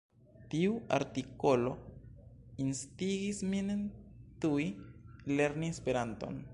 Tiu artikolo instigis min tuj lerni Esperanton.